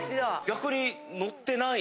逆に。